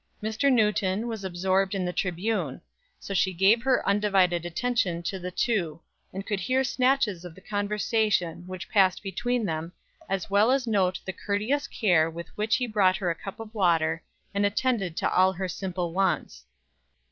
Mr. Newton was absorbed in the Tribune; so she gave her undivided attention to the two, and could hear snatches of the conversation which passed between them, as well as note the courteous care with which he brought her a cup of water and attended to all her simple wants.